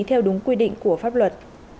theo đúng quy định của pháp luật